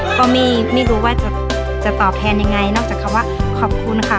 ก็ไม่รู้ว่าจะตอบแทนยังไงนอกจากคำว่าขอบคุณค่ะ